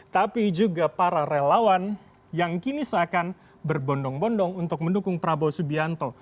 tapi juga para relawan yang kini seakan berbondong bondong untuk mendukung prabowo subianto